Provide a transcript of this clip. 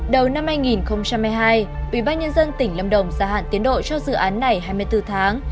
đầu năm hai nghìn hai mươi hai ubnd tỉnh lâm đồng gia hạn tiến độ cho dự án này hai mươi bốn tháng